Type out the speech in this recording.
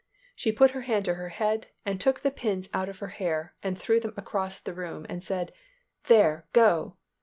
She put her hand to her head and took the pins out of her hair and threw them across the room and said, "There go!"